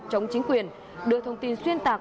chống chính quyền đưa thông tin xuyên tạc